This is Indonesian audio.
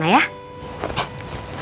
aku nanya kak dan rena